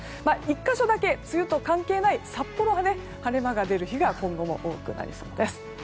１か所だけ梅雨と関係ない札幌は晴れ間が出る日が今後も多くなりそうです。